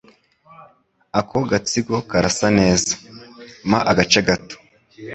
Ako gatsiko karasa neza. Mpa agace gato.